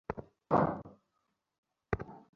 কী এমন সৎকাজটা শশী করিয়াছে?